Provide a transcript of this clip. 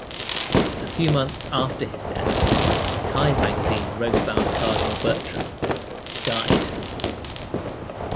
A few months after his death, "Time" magazine wrote about Cardinal Bertram:Died.